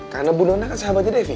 karna bu dona kan sahabatnya devi